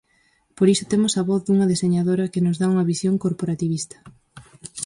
Por iso temos a voz dunha deseñadora, que nos dá unha visión corporativista.